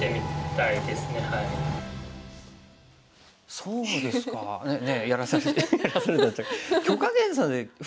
そうですね。